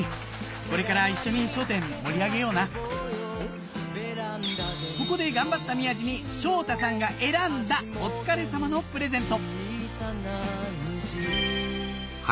これから一緒に『笑点』盛り上げようなここで頑張った宮治に昇太さんが選んだお疲れさまのプレゼント